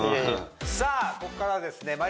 さあここからはですね